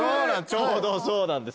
ちょうどそうなんです。